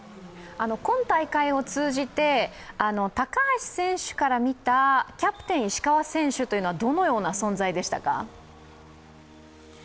今大会を通じて、高橋選手から見たキャプテン・石川選手というのはどのような存在でしたか？